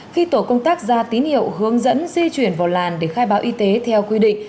khi tổ công tác ra tín hiệu hướng dẫn di chuyển vào làn để khai báo y tế theo quy định